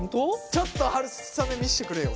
ちょっとはるさめ見せてくれよ